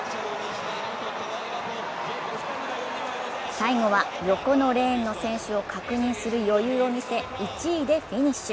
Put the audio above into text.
最後は横のレーンの選手を確認する余裕を見せ１位でフィニッシュ。